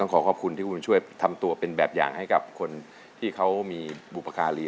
ขอขอบคุณที่คุณบุญช่วยทำตัวเป็นแบบอย่างให้กับคนที่เขามีบุปการี